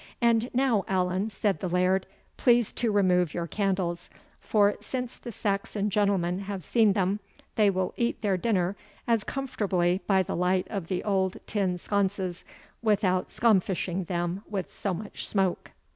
"And now, Allan," said the Laird, "please to remove your candles; for, since the Saxon gentlemen have seen them, they will eat their dinner as comfortably by the light of the old tin sconces, without scomfishing them with so much smoke."